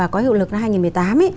có hiệu lực năm hai nghìn một mươi tám